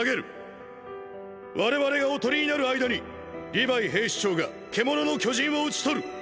我々が囮になる間にリヴァイ兵士長が獣の巨人を討ち取る！！